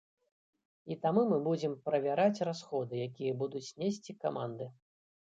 І таму мы будзем правяраць расходы, якія будуць несці каманды.